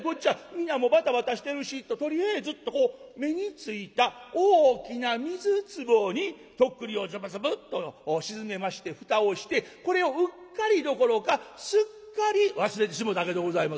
皆もバタバタしてるしととりあえずっとこう目についた大きな水壺に徳利をズブズブッと沈めまして蓋をしてこれをうっかりどころかすっかり忘れてしもたわけでございますね。